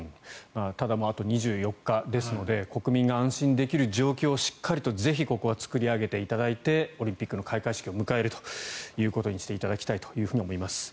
ただ、あと２４日ですので国民が安心できるような状況をしっかりと、ぜひここは作り上げていただいてオリンピックの開会式を迎えるということにしていただきたいと思います。